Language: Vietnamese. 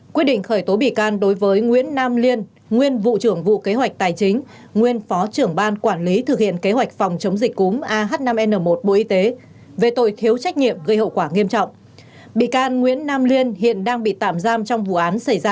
quyết định khởi tố bị can đối với nguyễn nam liên nguyên vụ trưởng vụ kế hoạch tài chính nguyên phó trưởng ban quản lý thực hiện kế hoạch phòng chống dịch cúm ah năm n một bộ y tế về tội thiếu trách nhiệm gây hậu quả nghiêm trọng